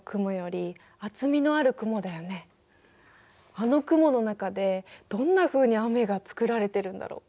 あの雲の中でどんなふうに雨がつくられてるんだろう？